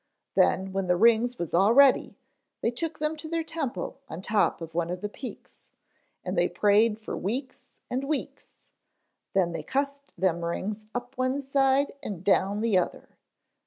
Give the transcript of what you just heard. Then, when the rings was all ready they took them to their temple on top of one of the peaks, and they prayed fer weeks and weeks, then they cussed them rings up one side and down the other.